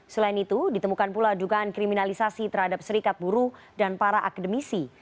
selain itu ditemukan pula dugaan kriminalisasi terhadap serikat buruh dan para akademisi